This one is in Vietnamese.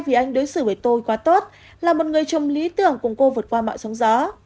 vì anh đối xử với tôi quá tốt là một người trồng lý tưởng cùng cô vượt qua mọi sóng gió